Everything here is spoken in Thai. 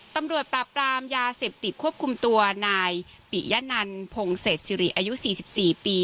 ตำรวจปราบรามยาเสพติดควบคุมตัวนายปียนันพงศศิริอายุสี่สิบสี่ปี